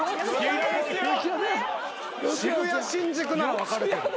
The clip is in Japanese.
渋谷新宿なら分かるけど。